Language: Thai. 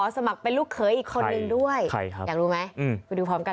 สมัครเป็นลูกเขยอีกคนนึงด้วยอยากรู้ไหมไปดูพร้อมกัน